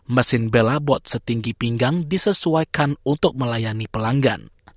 mesin bela bot setinggi pinggang disesuaikan untuk melayani pelanggan